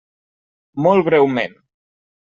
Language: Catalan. Molt breument.